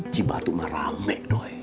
cibatu mah rame doi